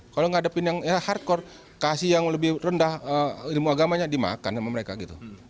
kalau ngadepin yang hardcore kasih yang lebih rendah ilmu agamanya dimakan sama mereka gitu